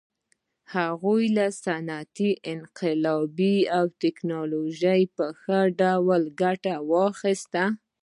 هغوی له صنعتي انقلاب او ټکنالوژۍ په ښه ډول ګټه واخیسته.